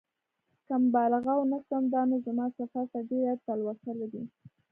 که مبالغه ونه کړم دا نو زما سفر ته ډېره تلوسه لري.